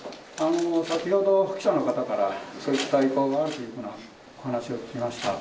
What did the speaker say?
先ほど記者の方から、そういった意向があるというような話を聞きました。